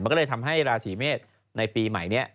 มันก็เลยทำให้ราศีเมษในปีใหม่นี้